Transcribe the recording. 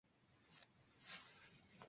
La frecuencia media es de cinco trenes diarios.